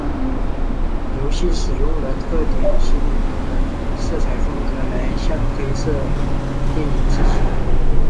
游戏使用了特点鲜明的色彩风格来向黑色电影致敬。